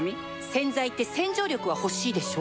洗剤って洗浄力は欲しいでしょ